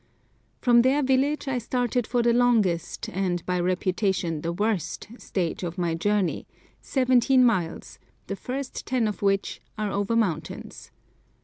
From their village I started for the longest, and by reputation the worst, stage of my journey, seventeen miles, the first ten of which are over mountains.